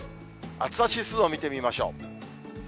暑さ指数を見てみましょう。